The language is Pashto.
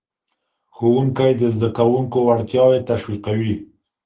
ښوونکی د زدهکوونکو وړتیاوې تشویقوي.